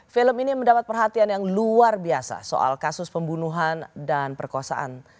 film ini mendapat perhatian yang luar biasa soal kasus pembunuhan dan perkosaan